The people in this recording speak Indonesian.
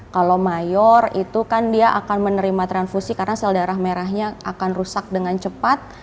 kalau mayor itu kan dia akan menerima transfusi karena sel darah merahnya akan rusak dengan cepat